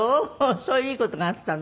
そういういい事があったの。